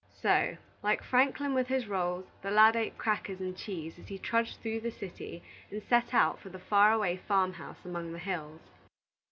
So, like Franklin with his rolls, the lad ate crackers and cheese as he trudged through the city, and set out for the far away farm house among the hills.